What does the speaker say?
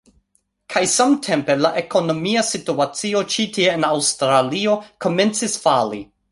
kaj samtempe la ekonomia situacio ĉi tie en Aŭstralio komencis fali.